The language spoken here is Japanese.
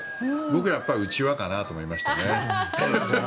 僕はやっぱりうちわかなと思いましたね。